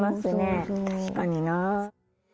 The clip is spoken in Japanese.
確かにな。